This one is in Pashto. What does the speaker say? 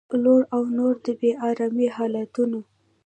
لوډ او نور د بې ارامۍ حالتونه